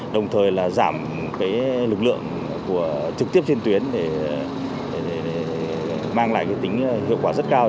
đồng thời là giảm cái lực lượng của trực tiếp trên tuyến để mang lại cái tính hiệu quả rất cao